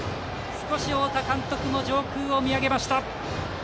少し太田監督も上空を見上げました。